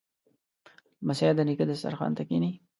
لمسی د نیکه دسترخوان ته کیني.